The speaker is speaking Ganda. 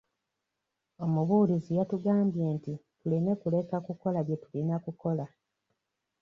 Omubuulizi yatugambye nti tuleme kuleka kukola bye tulina okukola.